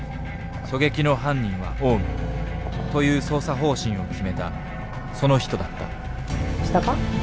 狙撃の犯人はオウムという捜査方針を決めたその人だった下か？